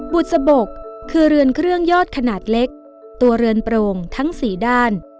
บุษบกคือเรือนเครื่องยอดขนาดเล็กตัวเรือนโปร่งทั้ง๔ด้าน